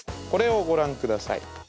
これをご覧下さい。